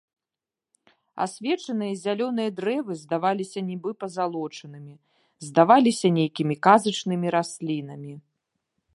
Асвечаныя зялёныя дрэвы здаваліся нібы пазалочанымі, здаваліся нейкімі казачнымі раслінамі.